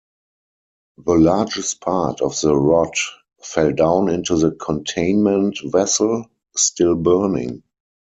The largest part of the rod fell down into the containment vessel, still burning.